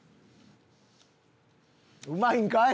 うまいんかい！